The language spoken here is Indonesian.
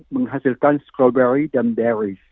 menghasilkan strawberry dan berries